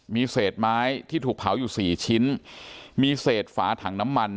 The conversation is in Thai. มีเศษไม้ที่ถูกเผาอยู่สี่ชิ้นมีเศษฝาถังน้ำมัน